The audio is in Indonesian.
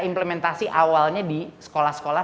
implementasi awalnya di sekolah sekolah